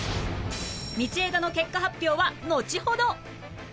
道枝の結果発表はのちほど